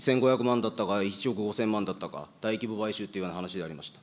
１５００万だったか、１億５０００万だったか、大規模買収という話でありました。